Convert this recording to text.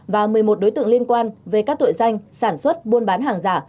và một mươi một đối tượng liên quan về các tội danh sản xuất buôn bán hàng giả